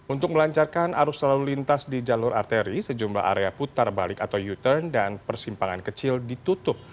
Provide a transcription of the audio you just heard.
untuk melancarkan arus lalu lintas di jalur arteri sejumlah area putar balik atau u turn dan persimpangan kecil ditutup